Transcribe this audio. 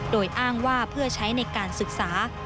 โดยอ้างว่าเพื่อใช้ในการศึกษา